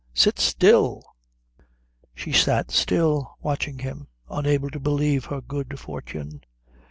"Sit still!" She sat still, watching him, unable to believe her good fortune.